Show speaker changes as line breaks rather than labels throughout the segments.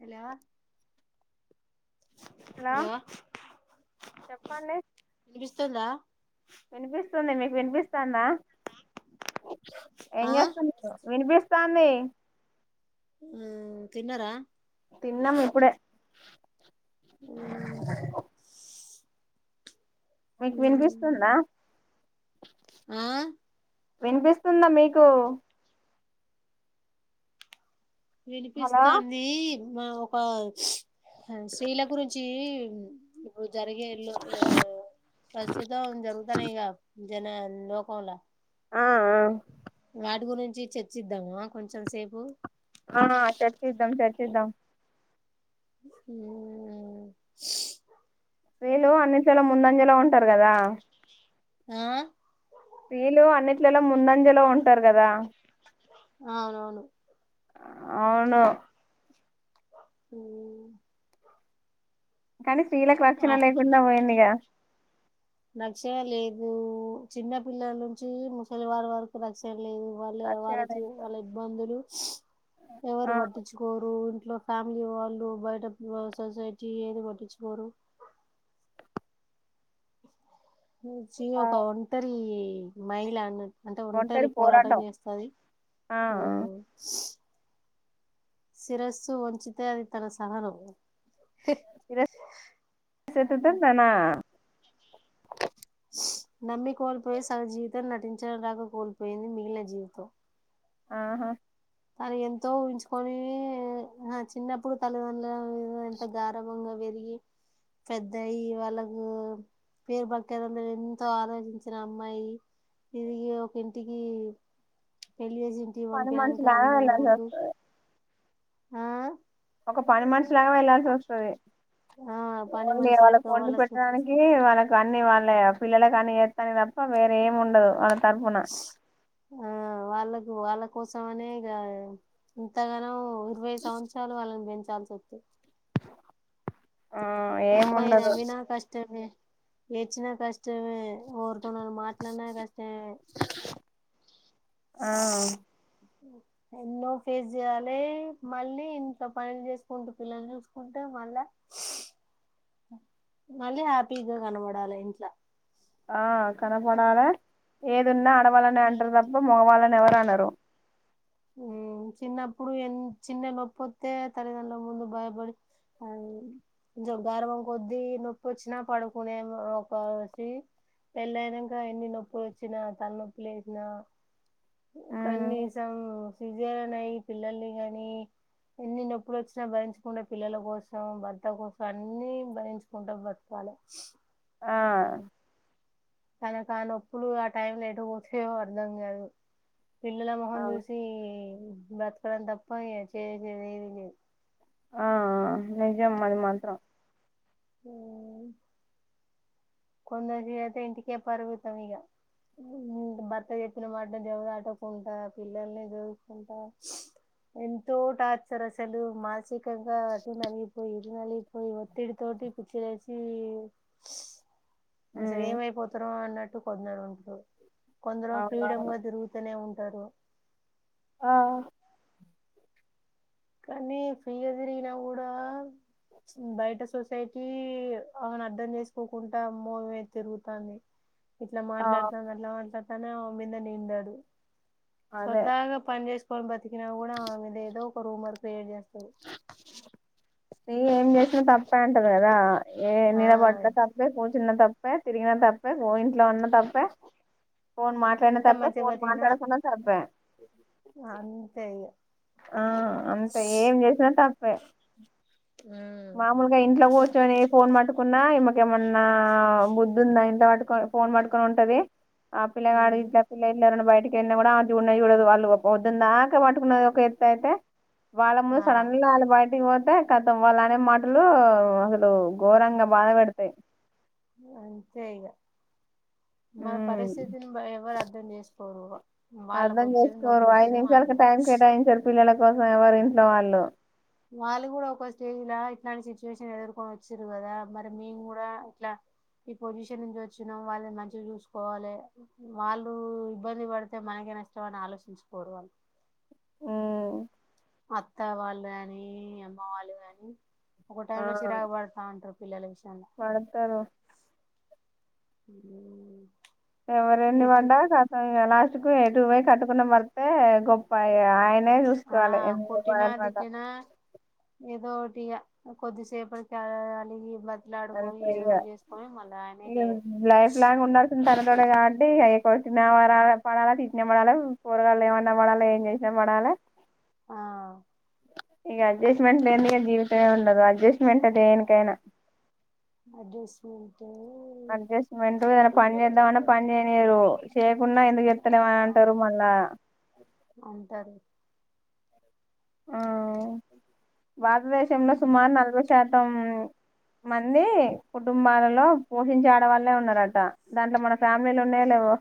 Hello hello
చెప్పండి
వినిపిస్తుందా
వినిపిస్ వినిపిస్తుంది మీకు వినిపిస్తుందా
ఆ
ఎం జెస్తున్నారు. వినిపిస్ స్థాంది
ఆ తిన్నరా
తిన్నాము ఇప్పుడే
[inaudible]
మీక్ వినిపిస్తుందా?
ఆ.
వినిపిస్తుందా మీకు? హలో
వినిపిస్తాంది. మా ఒక స్త్రీల గురించి ఇపుడు జరిగే ఇల్లు ప్రస్తుతం జరుగుతానై గ జన నోకంలా
ఆ ఆ
వాటి గురించి చర్చిద్దామా కొంచెం సేపు
ఆ చర్చిద్దాం చర్చిద్దాం
[inaudible]
స్త్రీలు అన్నింట్లల్లా ముందంజలో ఉంటారు కదా.
ఆ
స్త్రీలు అన్నిట్లలో ముందంజలో ఉంటారు కదా!
అవునవును
అవును
[unintelligible]
కానీ స్త్రీలకు అచిన లేకుండా వోయింది గ
నక్షణ లేదు చిన్న పిల్లల నుంచి ముసలి వారి వరకు రక్షణ లేదు వాళ్ళ
రక్షణ
వాళ్ళ వాళ్ళ ఇబ్బందులు
ఆ
ఎవరు వట్టించుకోరు ఇ ఇట్లో ఫ్యామిలీ వాళ్ళు బయట సొసైటీ ఏది పట్టించుకోరు మంచిగా
ఆ
ఒక ఒంటరి మైల అన్నట్టు అంటే ఒంటరి పోరాటం చేస్తది
ఆ
శిరస్ వంచితే అది తన సహన
[unintelligible]
నమ్మి కోల్పోయి సగ జీవితాన్ని నటించడం రాక కోల్పోయింది మిగిలిన జీవితం.
ఆహా!
తను ఎంతో ఉహించుకొని అహ చిన్నప్పుడు తల్లిదండ్రుల మీద ఎంత గారాబంగా పెరిగి పెద్దయ్యి వాళ్ళకు పేరు [unintelligible] ఎంతో ఆలోచించిన అమ్మాయి తిరిగి ఒకింటికి పెళ్ళిజేసి ఇంటికి పంపియ
చానా వుండాల్సొస్తది
ఆ
ఒక పని మనిషిలాగా వెళ్లాల్సి వస్తది
ఆ పని
ఓండ్లీ
మనిషి లెక్క
వాళ్ళకొండి
వాళ్ళకు
పెట్టడానికి వాళ్ళ అన్ని వాళ్ళే పిల్లల కని ఏత్తనె తప్ప వేరేం ఉండదు తరపున
ఆ వాళ్ళ కు వాళ్ళ కోసమనే ఇగ ఇంతగానో ఇరవై సంవత్సరాలు వాళ్ళని బెంచ్ పెట్టాల్సొత్తది
ఆ ఏమి
అమ్మాయి
ఉండదు
నవ్వినా కష్టమే ఏడ్చినా కష్టమే ఓర్తోనన్న మాట్లన్న కష్టమే
ఆ
ఎన్నో ఫేజ్ జేయాలె మళ్ళీ ఇంట్లో పనులు చేసుకుంటూ పిల్లల్ని జూసుకుంట మళ్ళా మళ్ళీ హ్యాపీగా గనబడాల ఇంట్లో
ఆ కనపడాల ఏదున్నా ఆడవళ్ళనె అంటారు దప్ప మగవాళ్ళని ఎవరు అనరు
ఉమ్ చిన్నప్పుడు ఎన్ చిన్న నొప్పొత్తే తల్లిదండ్రుల ముందు భయపడి కొంచెం గారాబం కొద్ది నొప్పొ చ్చినా పడుకునే ఒక స్రీ పెళ్ళి అయినంక ఎన్ని నొప్పులు వచ్చినా తలనొప్పుి లేస్నా
ఉమ్
కనీసం సజరిన్ అయ్ పిల్లల్ని గనీ ఎన్ని నొప్పులొచ్చినా భరించుకుండె పిల్లల కోసం భర్త కోసం అన్ని భరించుకుంటాం బతుక కాల
ఆ
తనకాయ్ నొప్పులు ఆ టైమ్ లో ఎటు పోసేవో అర్ధం గాదు పిల్లల
ఆ
మొహం చూసి బ్రతకడం తప్ప ఇగ చేసేది ఏది లేదు
ఆ ఆ నిజం అది మాత్రం
కొందరికైతే ఇంటికే పరిమితం ఇగ భర్త జెప్పిన మాట జవదాటకుంటా పిల్లల్ని జూసుకుంటా ఎంతో టార్చరసలు మాన్ సిక్ కంగా అటు నలిగిపోయి ఇటు నలిగిపోయి ఒత్తిడి తోటి పుచ్చలేసి అసలు
ఉమ్
ఏమైపోతారు అన్నట్టు కొందరు ఉంట్రు కొందరు ఫ్రీడమ్
అవునవును
గా తిరుగుతనే ఉంటారు
ఆ
కానీ ఫిగా తిరిగినా కూడా బయట సొస సేకి ఆమెను అర్ధం చేసుకోకుండా అమ్మో ఈమే తిరుగుతాంది ఇట్లా
ఆ
మాట్లాడతాంది అట్లా మాట్లాడతాంది అని ఆమే మీద నిందడు
అదే
సొద్దాగా పని జేసుకోని బతకిన గూడా ఆమెదేదో ఓ రూమర్ క్రియేట్ జేస్తరు
నీ ఏం జేసినా తప్పే అంటరు గదా ఏ
ఆ
నిలబడిన తప్పే కూర్ కూర్చున్నా తప్పే తిరిగిన తప్పే ఇంట్లో ఉన్న తప్పే ఫోన్ మాట్లాన్న
ఎంత
తప్పే
మంచిగా
ఫోన్
బతికినా
మాట్లాడకున్న తప్పే
అంతే ఇగ
ఆ అంతే ఏం జేసినా తప్పే
ఉమ్
మామొలుగా ఇంట్లో కూచ్చోని ఫోన్ మాటు కున్నా ఈమకేమన్నా బుద్దుందా ఇంట్లొ పట్టుకొని ఫోన్ పట్టుకొని ఉంటది ఆ పిల్ల గాడు
ఉమ్
ఇంట్లో పిల్లొ వారెవరైనా బయ [unintelligible]
ఆ
వాళ్ళముసడన్ వాళ్ళ బయటికి పోతే కతం వాళ్ళ అనే మాటలు అసలు ఘోరంగా బాధ పెడతాయి
అంతే ఇక మన
ఉమ్
పరిస్థితిని ఎవరు అర్థం చేస్త ఓవ
అర్థం చేసుకోరు ఐదు నిమిషాలకు టైం కేటాయించారు పిల్లల కోసం ఎవరు ఇంట్లో వాళ్ళు
వాళ్ళు కూడా ఒక స్టేజ్లా ఇట్లాంటి సిచ్యువేషన్ ఎదుర్కొని వచ్చారు కదా మరి మేము కూడా ఇట్లా ఈ పొజిషన్ నుంచి వచ్చినా వాళ్ళని మంచిగా చూసుకోవాలి వాళ్ళు ఇబ్బంది పడితే మనకి నష్టం అని ఆలోచించుకోరు వాళ్ళు
ఉమ్
అత్త వాళ్ళు కాని అమ్మ వాళ్ళు కాని ఒక టైంలో లో చిరాకు పడతా ఉంటారు పిల్లల విష
పడ్డాతారు
ఉమ్
ఎవర ఎన్ని
ఎటు
వండా కతం ఇగ నాక్ ఎటువై కట్టుకున్న మడితే గొప్ప ఆయన న్నే
ఆ
చూసుకోవాలి ఎ
కొట్టినా
వయల్ మట
తిట్టినా ఏదో ఒకటిగా కొద్దిసేపటికిలి
అంత ఇగ ఈ
ఆయనకి
లైఫ్లాంగ్ ఉండాడుతు తార అయినా తోనే కాబట్టి ఇగ కొట్టిన పడాలి పడాలా తిట్టిన పడాలి పోరగాళ్ళు ఏమన్న పడాలా ఏం చేసినా పడాలా
అవ్
ఇక అడ్జస్ట్మెంట్ లేనిది ఇగ జీవితమే ఉండదు అడ్జస్ట్మెంట్ ఎ దేనికైనా
అడ్జస్ట్మెంట్
అడ్జస్ట్మెంట్ ఏదైనా పని చేద్దామన్నా పని చేయనీయారు చేయకుంనా చేతలేవ అని అంటారు మళ్ళా
ఉంటది
ఆ భారతదేశంలో సుమారు నలభై శాతం మంది కుటుంబాలలో పోషించే ఆడ వళ్ళలే ఉన్నారట దాంట్లో మన ఫ్యామిలీలు ఉన్నాయో లేవో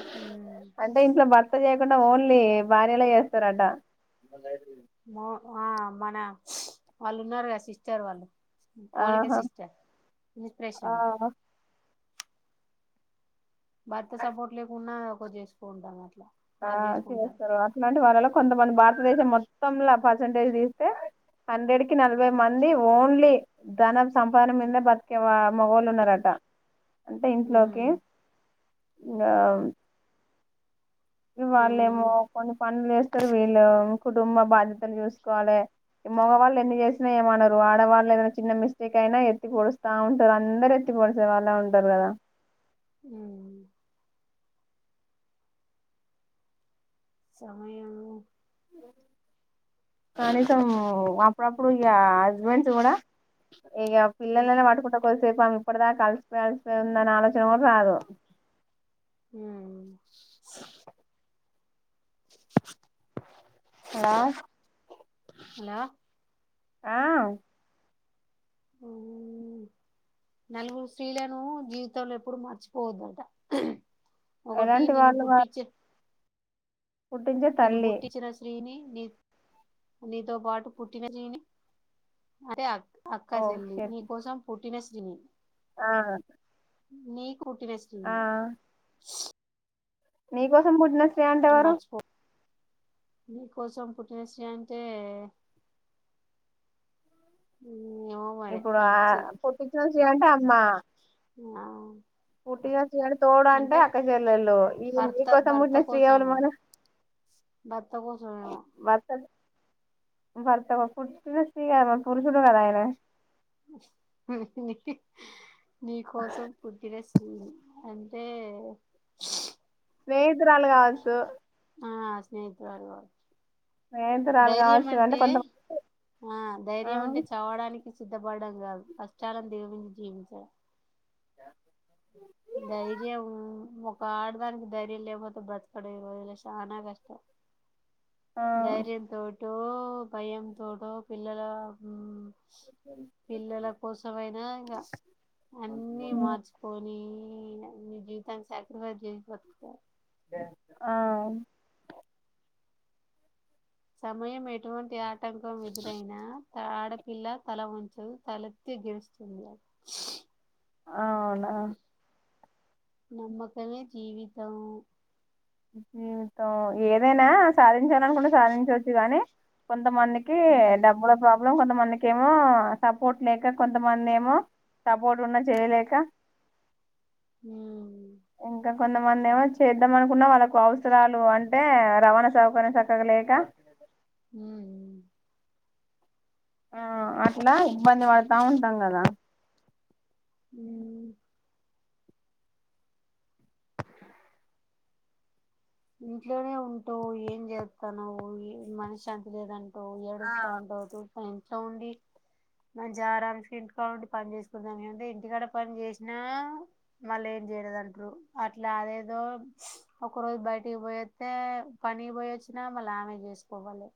ఉమ్
అంటే ఇంట్లో భర్త చేయకుండా ఓన్లీ భార్యలే చేస్తారట [unintelligible]
మ ఆ మన వాళ్ళు ఉన్నారు కదా సిస్టర్ వాళ్ళు మౌనిక
ఆహా
సిస్టర్
ఆ
ఇన్స్పరేషన్ భర్త సపోర్ట్ లేకుండా ఒకతి చేసుకుంటా అలా
ఆ చేస్తారు అట్లాంటి వాళ్ళలో కొంతమంది భారతదేశం మొత్తంలా పర్సంటేజ్ తీస్తే హండ్రెడ్ కి నలభై మంది ఓన్లీ ధన సంపాదన మీద బతికే మోగోళ్ళు ఉన్నారట అంటే ఇంట్లోకి
ఉమ్
ఇంగా వాళ్ళ
ఉమ్
ఏమో కొన్ని పనులు చేస్తారు వీళ్ళు కుటుంబ బాధ్యతలు చూసుకోవాలే మోగవాళ్ళు ఎన్ని చేసినా ఏమన్నారు ఆడవాళ్ళు ఏదైనా చిన్న మిస్టేక్ అయినా ఎత్తి కుడుస్తా ఉంటారు అందరు ఎత్ పోడిసే వాళ్ళే ఉంటారు కదా
ఉమ్ సమయంము
కనీసం అప్పుడప్పుడు ఇగ హస్బెండ్స్ కూడా ఇగ ఆ పిల్లనేట్కుంట సేపు ఇప్పటిదాకా ఆలిసిపో ఆలిసిపోయి ఉందని ఆలోచన కూడా రాదు
హూమ్
హలో
హలో
ఆ
ఉమ్ నలుగురు స్త్రీలను జీవితంలో ఎప్పుడు మర్చిపోవద్దట ఒకటి
ఎలాంటి
నిన్ను పుట్టించ
కుటిందే తల్లి
స్త్రీని నీ నీతో పాటు పుట్టిన జని అదే అ అక్కా
ఓ
చెల్లి
షట్
నీ కోసం పుట్టిన శ్రీని
ఆ
నీకు పుట్టిన
ఆ
శ్రీని
నీకోసం పుట్టిన శ్రీ అంటే ఎవరు
మీ కోసం పుట్టిన శ్రీ అంటే ఏమో మరి
ఇప్పుడు ఆ
అలిచి
పుట్టించిన శ్రీ అంటే అమ్మా
ఆ
పుట్టిగా ఇగడా తోడ అంటే అక్కా చెల్లెలు ఈ నీ
భర్త
కోసం పుట్టిన శ్రీరాములు మన
భర్తకోసం ఏమో
బర్త కుు స్ పరుషుడు కదా ఆయన
నీ నీ కోసం పుట్టిన శ్రీని అని టే
స్నేహితురాలు కావచ్చు
ఆ స్నేహితురాలు కావచ్చు
స్నేహితురాలు
ధైర్యం
కావచ్చు
అంటే
కొంతమంది
ఆ
ఆ
ధైర్యం ఉంటే చావడానికి చిం సిద్దపడడం కాదు కష్టాలని దిగమించి జీవించాల
[inaudible]
ధైర్యము ఒక ఆడదానికి ధైర్యం లేకపోతే బ్రతకడం ఈ రోజుల్లో చాలా కష్టం [inaudible]
ఆ
ధైర్యంతోటో భయంతోటో పిల్లలా హ్మ్మ్ పిల్లల కోసమైన ఇకా అన్నీ మార్చుకొని మీ జీవితానికి సాక్రిఫైస్ చేసి బతుకుతారు
ఆ
సమయం ఎటువంటి ఆటంకం ఎదురైనా ఆడపిల్ల తల వంచదు తల తేగిస్తుందా
అవునా
నమ్మకమే జీవితం
జీవితము ఏదైనా సాధించాల అనుకుంటే సాధించవచ్చు కానీ కొంత కొంత మందికి
ఉమ్
డబ్బుల ప్రాబ్లం కొంతమందికి ఏమో సపోర్ట్ లేక కొంతమంది ఏమో సపోర్ట్ ఉన్నా చేయలేక
హమ్
ఇంకా కొంతమంది ఏమో చేద్దాం ఉన్న వాళ్ళకు అవసరాలు అంటే రవాణా సౌకర్యం సక్కగా లేక
హమ్
ఆ అట్లా ఇబ్బంది పడతా ఉంటాం కదా
హ్మ్మ్ ఇంట్లోనే ఉంటావు ఏం చేస్తున్నావు మనశ్శాంతి లేదంటే టు ఏడుస్ తాండవ్ తుత్ ఇంట్లో ఉండి మాజారనికి ఇంటి కాడ ఉండి పని చేసుకుందాం ఏంటే ఇంటికాడ పని చేసినా మళ్ళే చేదంటారు అట్లా అదేదో ఒక రోజు బయట ఇంటికి పోయస్తే పనికి పోయొచ్చినా మళ్ళీ ఆమె చేసుకోవాలి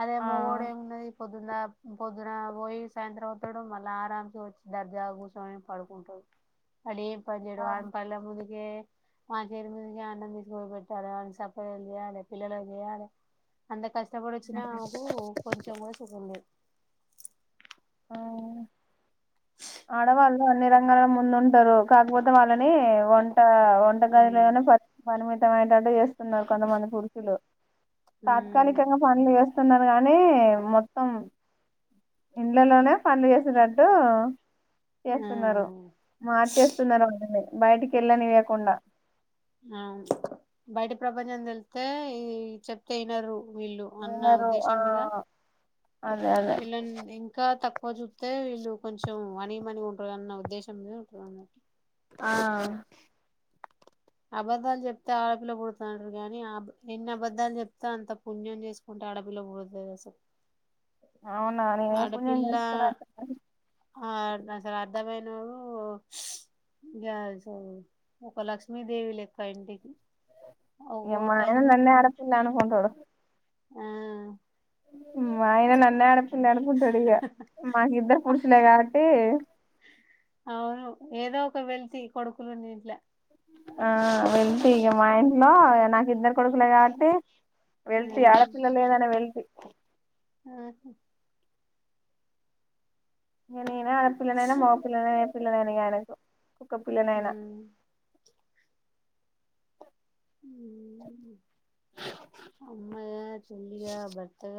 అదే మోగోడై ఉంటే పొద్దున్న పొద్దున పోయి సాయంత్రం అవుతాడు మళ్ళీ ఆరామ్ గా వచ్చి దర్జా కూర్చొని పడుకుంటాడు వాడేం పని చెయ్యడు
ఆ
వాడి కళ్ళ ముందుకే మా చేరి ముందుక అన్నం తీసుక్ సప్ప చేయాలి యా పిల్లల కి చేయాలి అంత కష్ట్ ఇష్టపడి వచ్చినా మాకు కొంచెం కూడా సుఖం లేదు
ఆడవాళ్ళు అన్ని రంగాల ముందు ఉంటారు కాకపోతే వాళ్ళని వంట
ఉమ్
వంటగదిలోగానే ప పరిమితమయటట్టు చేస్తున్నారు కొంతమంది పురుషులు
ఉమ్
తాత్కాలికంగా పనులు చేస్తున్నారు కానీ మొత్తం ఇళ్లలోనే పనులు చేసేటట్టు,
ఆ
చేస్తున్నారు మార్చేస్తున్నారు అన్ని బయటికి కెళ్ళనీయకుండా,
ఆ బయట ప్రపంచం తెలిస్తే ఈ చెప్తే వినరు వీళ్ళు అన్న
వినరు ఆ
ఉద్దేశం మీద
అదే అదే
వీళ్ళని ఇంకా తక్కువ చూస్తే వీళ్ళు కొంచెం హమ్ అణిగి మణిగి ఉద్దేశంలో ఉంట
ఆ
అబద్ధాలు చెప్తే ఆడపిల్ల పుడతారు అంటారు కానీ ఎన్ని అబద్ధాలు చెప్తే అంత పుణ్యం చేసుకున్నట్టే, ఆడ పిల్ల పుడతాది అసలు
అవునా నేను ఏ పుణ్యం
ఆడపిల్ల
చేసుకున్నా చెప్పు
ఆ అసలు అర్ధమైనోడు ఇగా ఒక లక్ష లక్ష్మీ దేవి లెక్క ఇంటికి ఓ
ఏ మాయన నను ఆడ పిల్ల అనుకొంటాడు,
ఆ
మా ఆయన నన్నే ఆడపిల్ల అనుకుంటాడు ఇగా మాకు ఇద్దరు పుర్ లే కాబట్టి
అవును ఏదో ఒక వెలితి కొడుకులు ఉన్న ఇంట్లే
ఆ వెళ్తి ఇక మా ఇంట్లో నాకు ఇద్దరు కొడుకులే కాబట్టి, వెళ్తి ఆడ పిల్ల లేదనే వెళ్తి,
ఉహు
ఇగ నేనే ఆడపిల్లనైనా మాగపిిల్లనై పిల్లనైనా గాయనకు కుక్క పిల్లనైనా
అమ్మయినా చెల్లి గా భర్తగా